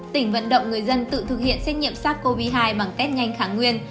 tỉnh vận động người dân tự thực hiện xét nghiệm sars cov hai bằng tết nhanh kháng nguyên